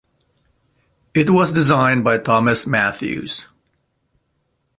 It was designed by Thomas Matthews.